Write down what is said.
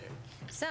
さあ。